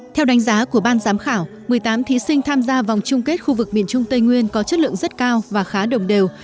theo đánh giá của ban giám khảo một mươi tám thí sinh tham gia vòng chung kết khu vực miền trung tây nguyên có chất lượng rất cao và khá đồng đều